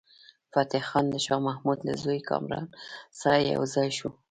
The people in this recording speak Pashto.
فتح خان د شاه محمود له زوی کامران سره یو ځای شو.